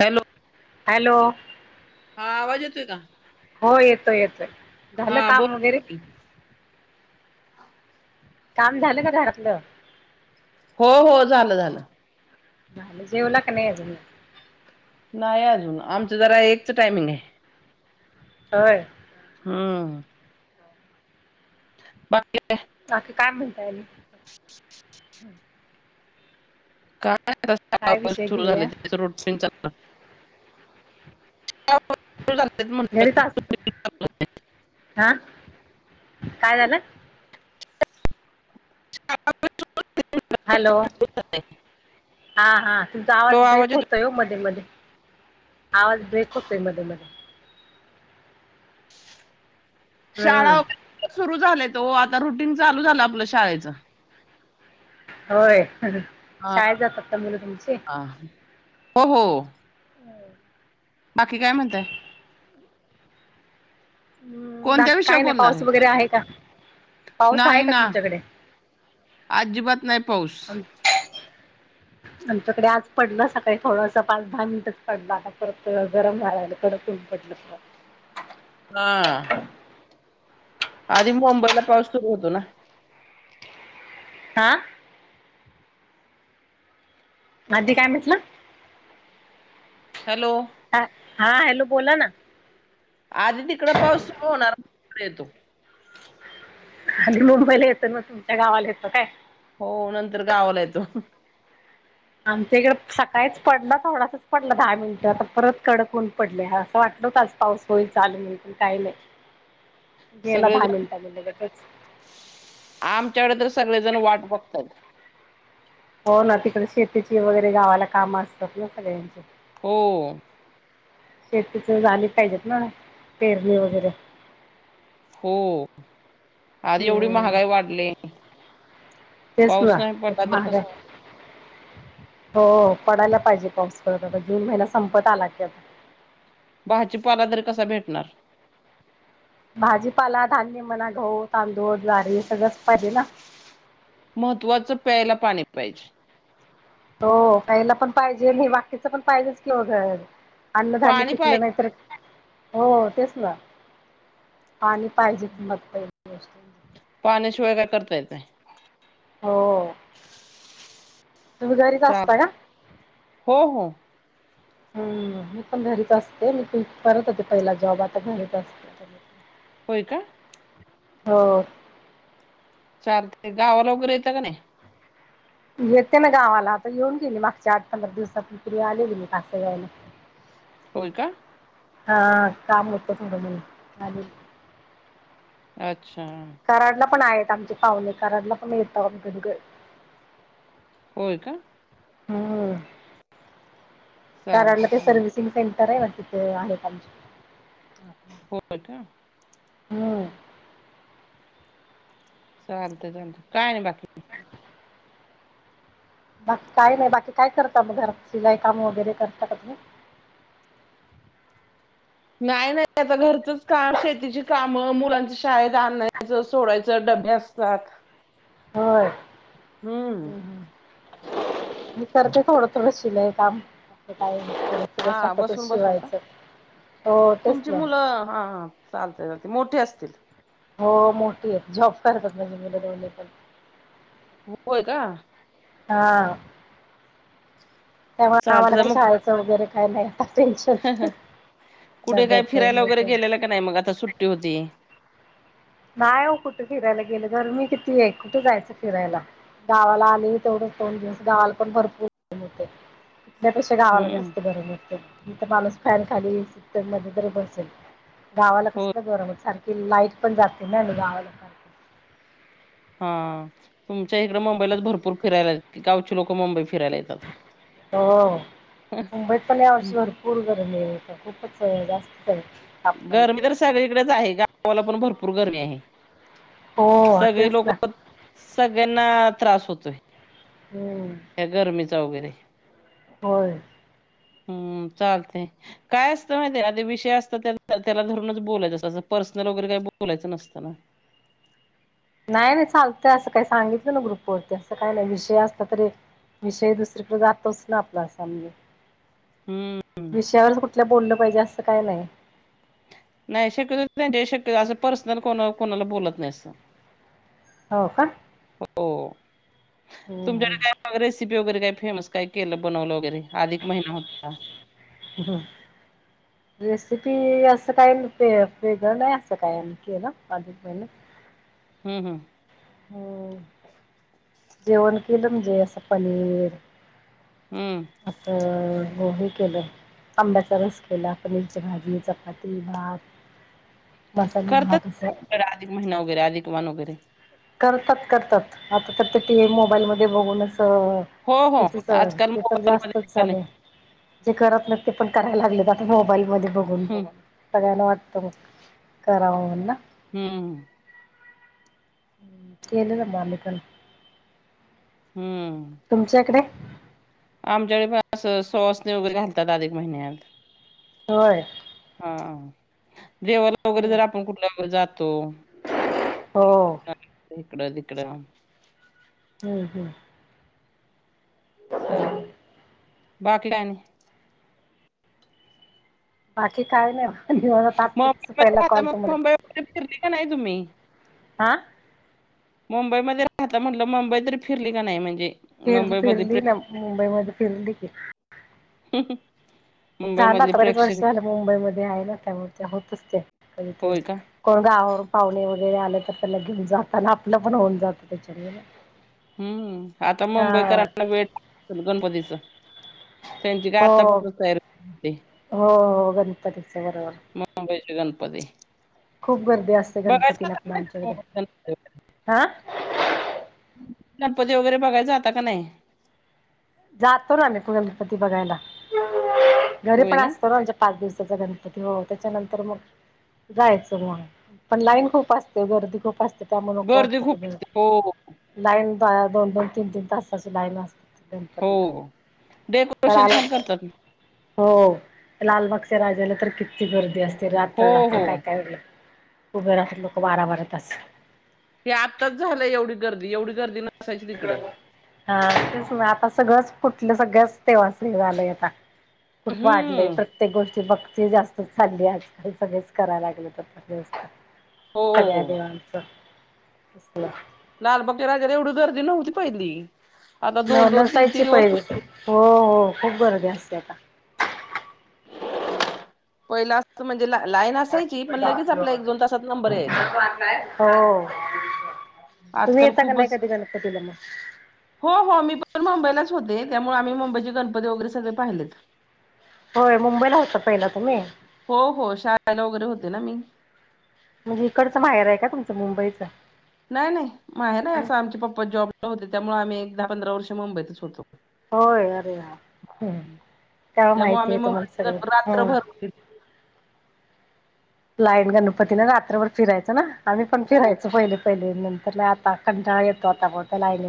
Hello hello हा आवाज येतोय का हो येतोय येतोय हा झालं काम वगैरे बोल काम झालं का घरातलं हो-हो झालं झालं. झाले जेवला का नाही अजून मगं? नाही अजून, आमचं जरा एकच टायमिंग आहे. होय! हा! बाकी काय? बाकी काय म्हणताय आणि काय नाही विषय सुरू झालं घेऊया त्यांच रुटीन चांगलं. झालं घरी म्हटलं सासू, हा. काय झालं? [inaudible] हॅलो! हा- हा तुमचा आवाज ब्रेक होतोय मध्ये-मध्ये आवाज ब्रेक होतोय मध्ये मध्ये शाळा हम्म सुरू झाल्यात ओ आता रुटीन चालू झालं आपलं शाळेचं होय. हा शाळेत जातात का मुलं तुमची? हा. हो हो बाकी काय म्हणताय? हम्म कोणत्या बाकी काय विषयावर नाही. बोलणार पाऊस वगैरे आहे का? पाऊस आहे का तुमच्याकडे? आजिबात नाही पाऊस. आमच्याकडे आज पडला सकाळी थोडस पाच दहा मिनिटच पडलं आ परत गरम व्हायलय कडत ऊन पडलं [inaudible] हा! आधी मुंबईला पाऊस सुरू होतो ना. आ. आधी काय म्हटलं? हॅलो! हा हा हॅलो! बोला ना. आधी तिकडं पाऊस सुरू होणार मगं इकड येतो. आधी मुंबईला येतो मगं तुमच्या गावाला येतो काय? हो नंतर गावाला येतो. आमच्या इकडे सकाळीच पडला थोडासाच पडला दहा मिनिट आता परत कडक होऊन पडले असं वाटत. आज पाऊस होईल चालू मगं काही नाही गेला दहा सगळेजण मिनिटानी लगेचच. आमच्याकडे तर सगळे जण वाट बघतात. हो ना, तिकडे शेतीची वगैरे गावाला काम असतात ना सगळ्यांची हो. शेतीच झाली पाहिजेत ना पेरणी वगैरे. हो आधी एवढी हम्म महागाई वाढली. तेच ना पाऊस नाही आता पडला तर माग कसं हो पडायला पाहिजे पाऊस खरं तर आता जून महिना संपत आला की आता. भाजीपाला तर कसा भेटणार? भाजीपाला धान्य म्हणा. गहू, तांदूळ, ज्वारी सगळंच पाहिजे ना. महत्त्वाचं प्यायला पाणी पाहिजे. हो खायला पण पाहिजे नाही बाकीच पण पाहिजेच की मगं घर अन्नधान्य पाणी पिकलं पाहिजे नाहीतर हो तेच ना पाणी पाहिजे [inaudible] गोष्टी पाण्याशिवाय काय करता येतयं. हो! तुम्ही घरीच चाल असत का? हो हो हम्म! मी पण घरीच असते मी करत होते, पहिला जॉब आता घरीच असते. होय का? हो! चार दिवस ते गावाला वगैरे येतं का नाही? येते ना गावाला आता येऊन गेली मागच्या आठ पंधरा दिवसा पूर्वी आले ले मी कासे गावाला. [unintelligible] होय का? हा काम होत थोडं माझे अच्छा. पण आहेत आमचे पाहुणे कराड ला पण आहेत. होय का? हम्म. कराड चालते ते चालते सर्व्हिसिंग सेंटर आहे, मग तिथे आहेत आमचे हे हो का. हम्म चालत चालत काही नाही बाकी बाकी काय नाही बाकी काय करता मग घरात सिलाई काम वगैरे करता का तुम्ही. [unintelligible] नाही नाही आता घरची च काम शेतीची काम मुलांच शाळेत आणायचं सोडायचं ड [unintelligible] होय हम्म मी करते थोडं थोडं शिलाई कायं थोडं थोडं हा स्वतःचच बसून बसून का शिवायचं हो तेच तुमची ना मुलं हा चालते चालते मोठे असतील. हो मोठी ये त जॉब करतच नाहीे मुले दोन पण होय का? हा त्यामुळे आम्हाला चालते काही मग शाळेचं वगैरे काय नाही. टेन्शन कुठे काय फिरायला वगैरे डब्याचे गेलेलं का नाही मग आता सुट्टी होती नाही हो कुठे फिरायला गेलं गरमी किती आहे कुठे जायचं फिरायला. गावाला आले तेवढ दोन दिवस गावाल पण भरपूर ऊन होते. त्यापेक्षा गावाला हम्म जास्त बरं वाटते ना इथे तर माणस फॅन खाली टब मध्ये तरी बसेल. गावाला हो कसलं गरम सारखी लाईट पण जाते ना गावाला सारखी हा तुमच्या इकडे मुंबईलाच भरपूर फिरायला गावची लोकं मुंबई फिरायला येतात हो मुंबईत पण या वर्षी भरपूर पाऊस खूपच जास्त गरमी तर सगळीकडेच आहे गावाला पण भरपूर गरमी आहे. हो सगळी तेच लोक ना सगळ्यांना त्रास होतोय. हम्म या गरमीचा वगैरे होय. हम्म चालतय काय असते माहिती आहे का काय विषय असतो त्याला धरून बोलायच असते पर्सनल चे वगैरे काय बोलायच नसत ना. [unintelligible] नाही नाही चालतय असं काही सांगितलं ना ग्रुप वरती असं काही नाही विषय असत तरी विषय दुसरीकडे जातोच ना आपला असा म्हणजे हम्म विषयावरच कुठल्या बोललं पाहिजे असं काही नाही नाही शक्यतो शक्यतो असं पर्सनल कोणाला कोण बोलत नाही असं. हो का हो हम्म तुमच्याकडे काय रेसिपी वगैरे काय? फेमस काय केलं बनवलं वगैरे आधिक महिना होता. हम्म. रेसिपी असं काही वेगळं नाही असं काही केले अधिक महिन्या हम्म हम्म. हो जेवण केलं म्हणजे असं पनीर हम्म असं हे केलं आंब्याचा रस केला पनीरची भाजी चपाती भात मसाले करतात भात असं हिकडे अधिक महिना वगैरे अधिक वान वगैरे करतात करतात आत्ता तर ते टी. व्ही. मोबाईलमध्ये बघूनचं हो [unintelligible] हो आजकाल ते तर मोबाईल मध्ये जास्तचं निघाले. झालंय जे करत नाहीत. करायला लागलेत आता मोबाईल मध्ये बघून हम्म बघून सगळ्यांना वाटतं मग करावं म्हणून ना. हम्म हम्म केलेलं म आम्हीपण हम्म तुमच्याइकडे आमच्याकडे पण असं सुवासनी वगैरे घालतात अधिक महिन्यात होय हा हा देवाला वगैरे जर आपण कुठल्या जात तो हो इकडं तिकडं हम्म हम्म तर चा [unintelligible] बाकी काय आणि बाकी काय नाही ब निवांत आताच पहिला कॉल तुम्हाला केला फिरलाय का नाही तुम्ही आ मुंबईमध्ये राहता म्हंटल मुंबई तर फिरली का नाही म्हणजे फिरली मुंबईमध्ये फिरली प्रे ना मुंबईमध्ये फिरली की झालं मुंबईमधली आता बरेच वर्ष प्रेक्षण झालं मुंबईमध्ये आहे ना त्यामुळे ते होतंच ते कधीतरी होय का कोण गावावर वरून पाहुणे वगैरे आले तर त्यांना घेऊन जाताना आपलं पण होऊन जातं त्याच्यामूळे हम्म आत्ता मुंबईकरांना वेळ गणपतीचं त्यांची काय हो आत्तापासनचं तयारी होते हो हो गणपतीचं बरोबर चे गणपती खूप गर्दी असते बघायचं गणपतीला आता का नाही पमान तुम्ही चढते मुंबईत गणपती? हं गणपती वगैरे बघायला जाता का नाही जातो ना आम्ही पण गणपती बघायला घरी पण असतो ना आमच्या पाच दिवस साचा गणपती हो त्याच्यानंतर मग जायचं म पण लाईन खूप असते गर्दी खूप असते त्यामुळं नको गर्दी खूप वाटतं ते असते हो लाईन जायला दोन दोन तीन तीन तासाची लाईन असते हो गणपतीला तर डेकोरेशन छान आलंच करतात हो लालबागच्या राजाला तर किती गर्दी असते. हो, रात्र रात्र काय हो. काय वेगळ उभे राहतात लोक बारा बारा तास हे आत्ताच झालंय एवढी गर्दी एवढी गर्दी न हा तेच म आता सगळंच कुठलं सगळ्याच देवांच हे झालंय आता खूप वाढलंय हम्म. प्रत्येक गोष्टी बघ ते जास्तचं चाललीये आजकाल सगळीच कराय लागल्यात आता होय हो. सगळ्या देवांच लालबाग च्या राजाला एवढी गर्दी नव्हती पहिली आता म नसायची दिवस पहिला हो हो खूप गर्दी असत्या आता पहिला अस म्हणजे ला लाईन असायची पण लगेचं आपला एक दोन तासात नंबर यायचा. हो तुम्ही आजकाल येता का नाही खूपचं, कधी गणपतीला मग हो हो मी पण मुंबईलाच होते. त्यामुळे आम्ही मुंबईचे गणपती वगैरे सगळे पाहिलेत होय मुंबईला होता पहिला तुम्ही हो हो शाळेला वगैरे होते ना मी म्हणजे हिकडचं माहेर आहे का तुमचं मुंबईचं नाही नाही माहेर नाही असं आमचे पप्पा जॉब ला होते त्यामुळे आम्ही एक दहा पंधरा वर्ष मुंबईतच होतो. होय यार हम् तेव्हा त्यामुळे आम्ही माहितीय तुम्हाला मुंबईत सगळं हम् रात्रभर लाईन गणपती ना रात्रभर फिरायचं ना आम्ही पण हो. फिरायचो पहिले पहिले नंतरला आता कंटा येतो आता बता लायन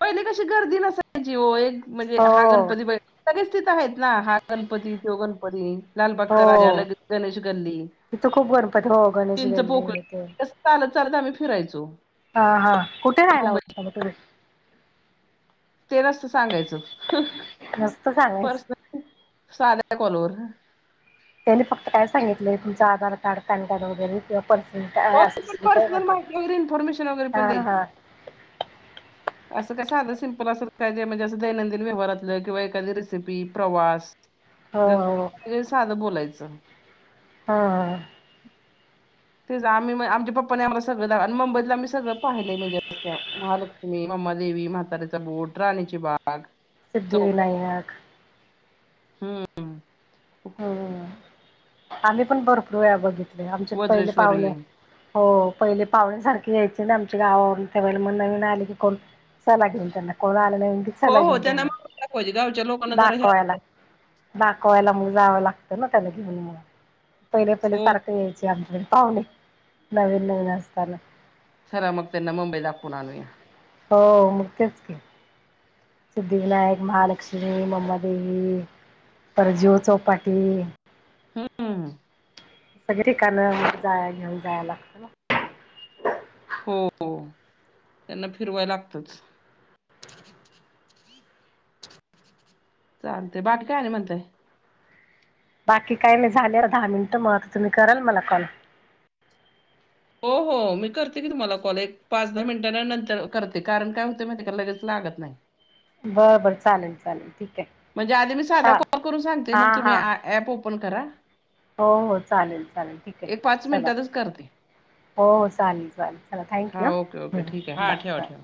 पहिले कशी गर्दी नसायची हो एक म्हणजे हा हो गणपती बा सगळेच तिथ आहेत ना हा गणपती त्यो गणपती लाल बागचा राजाला गणेश गल्ली तिथ खूप गणपती हो गणेश चिंच गल्ले पोकळी इथे कसं चालत चालत आम्ही फिरायचो हा हा कुठे राहायला होतता मग तुे तेलाचत सांगायचं नुसतं सांगायचं पर्सनल साध्या कोॉलोर त्यांनी फक्त काय सांगितले तुमचं आधार कार्ड पॅन कार्ड वगैरेि ण पण अस पर्सनल माहिती वगैरे इन्फॉर्मेशन वगैरे पण हा द्यायची हा असं काय साधं सिम्पल असत काय जे म्हणजे असं दैनंदि व्यहारातलं किंवा एखादी रेसिपी प्रवास हो हो घरे साधं बोलायचं हा ह तेच आम्ही आमच्या पप्पाने आम्हा सगळं मुंबईला आम्ही सगळं पाहिलंय म्हणजे अस महालक्ष्मी दवी म्हातऱ्याचा बोट राहण्याची बा सिद्धिविनायक हम् हम्म आम्ही पण भरपरूया बघित आमचे पहिले वज्रेश्वरी पावलं हो पहिले पाहुणीसारखे या्यायचे ना आमच्या गावावरून त्यावेळेला मग नवीन आले की कोण चला घेऊन त्यांना कोण हो नाहीला हो त्यांना गेल मुंबई दाखवायची गावच्या लोकांना जरा हे दाखवायला असतं दाखवायला मग जावं लागतं ना त्याला घेऊन म पहिले पहिले हो सारखं या्यायचे आमच्याकडे पाहुणे नवीन नवीन असताना खरा मग त्यांना मुंबई दाखवून आणूया हो मग तेच का सिद्धिविनायक महालक्ष्मी म्मा देेवी तर जीव चौपाटी हम्म सगळे ठिकाणं जाया घेऊन जाय लागत ना हो हो. त्यांना फिरवाय लागतच चालते बाट काय ना म्हणतय बाकी काही नाही झाले दहा मिनिट मह तुम्ही कराल मला कॉल हो हो मी करते की तुम्हाला कॉल एक पाच दहा मिनिटां नंतर करते कारण काय होते माहिती का लगेज ला लागत नाही बर बर चालेल चालेल ठीक आहे म्हणजे आधी मी साधा हा कॉल करून सांगते हा मग तुम्ही हा ऍप ओपन करा हो हो चालेल चालेल ठीक एक आहे पाच चला मिनिटातच करते. हो चालेल चालेल चाला हां, थँक्यू ओके, ओके. ठीक आहे. हां, ठेवा, बाय ठेवा.